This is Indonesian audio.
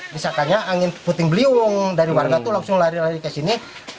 misalkannya angin puting beliung dari warga itu langsung lari lari ke sini